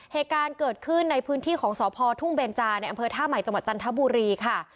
เหตุการณ์เกิดขึ้นในพื้นที่ของสพทุ่งเบนจาในอำเภอท่าใหม่จังหวัดจันทบุรีค่ะ